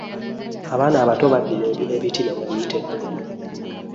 Abaana abato badira ebiti ne babiyita emmundu.